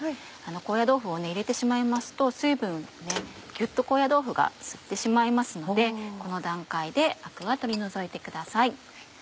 高野豆腐を入れてしまいますと水分をギュっと高野豆腐が吸ってしまいますのでこの段階でアクは取り除いてください。